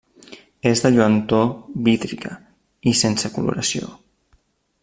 És de lluentor vítria i sense coloració.